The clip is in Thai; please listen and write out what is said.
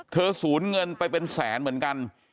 เธอสูญเงินไปเป็นแสนเหมือนกัน